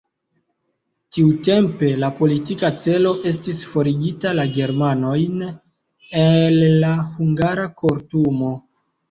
Tiutempe la politika celo estis forigi la germanojn el la hungara kortumo.